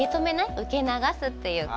受け流すっていうか。